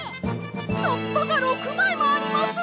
はっぱが６まいもあります！